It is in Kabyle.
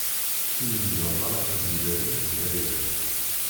Imenza meṛṛa ara d-ilalen d ayla-w.